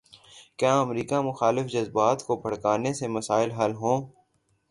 کیا امریکہ مخالف جذبات کو بھڑکانے سے مسائل حل ہوں۔